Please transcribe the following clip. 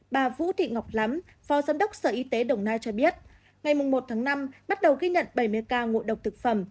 bà vũ thị ngọc lắm phó giám đốc sở y tế đồng nai cho biết ngày một tháng năm bắt đầu ghi nhận bảy mươi ca ngộ độc thực phẩm